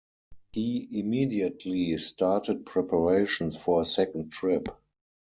He immediately started preparations for a second trip.